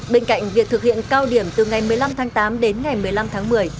bên cạnh việc thực hiện cao điểm từ ngày một mươi năm tháng tám đến ngày một mươi năm tháng một mươi